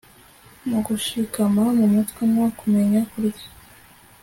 mu gushikama mu mutwe no kumenya kurya